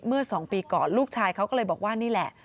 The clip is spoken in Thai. เมื่อ๒ปีก่อนลูกชายเขาก็เลยบอกว่านี่แหละ